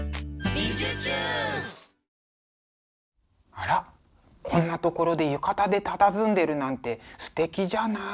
あらこんな所で浴衣でたたずんでるなんてすてきじゃない。